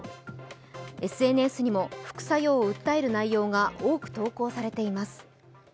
ＳＮＳにも副作用を訴える内容が多く投稿されています。